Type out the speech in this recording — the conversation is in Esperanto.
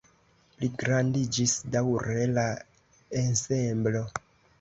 Pligrandiĝis daŭre la ensemblo.